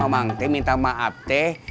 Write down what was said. emang teh minta maaf teh